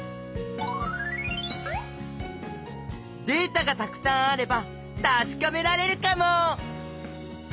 データがたくさんあればたしかめられるかも！